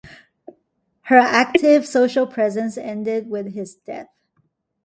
Her active social presence ended with his death.